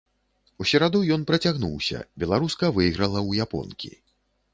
У сераду ён працягнуўся, беларуска выйграла ў японкі.